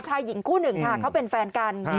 ชายหญิงคู่หนึ่งค่ะเขาเป็นแฟนกัน